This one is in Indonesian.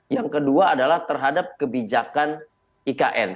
yang kedua adalah terhadap kebijakan ikn